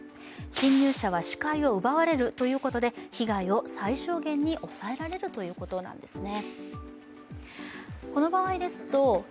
侵入者は視界を奪われるということで被害を最小限に抑えられるということなんですね。